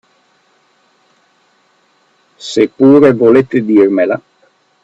Se pure volete dirmela.